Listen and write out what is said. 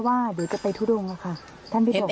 ว่าเดี๋ยวจะไปทุดงแล้วค่ะ